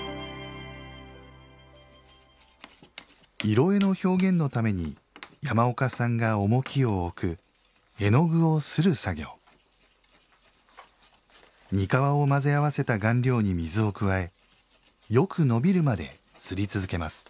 色絵の表現のために山岡さんが重きを置く絵の具をする作業にかわを混ぜ合わせた顔料に水を加えよくのびるまですり続けます